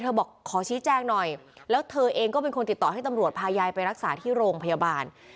บอกขอชี้แจงหน่อยแล้วเธอเองก็เป็นคนติดต่อให้ตำรวจพายายไปรักษาที่โรงพยาบาล